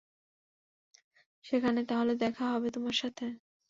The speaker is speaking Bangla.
সেখানে তাহলে দেখা হবে তোমার সাথে?